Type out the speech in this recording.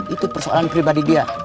itu persoalan pribadi dia